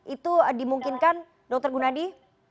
itu dimungkinkan dokter gunadi